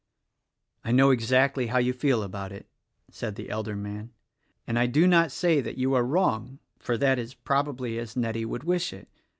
"I know exactly how you feel about it!" said the elder man, "and I do not say that you are wrong; for that is probably as Nettie would wish it.